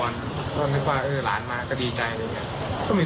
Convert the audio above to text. รู้รู้ใครรู้ตัวเขารู้มั้ย